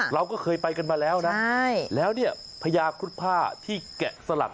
เราก็เคยไปกันมาแล้วนะแล้วเนี่ยพญาครุฑผ้าที่แกะสลัก